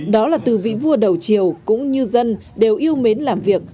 đó là từ vị vua đầu triều cũng như dân đều yêu mến làm việc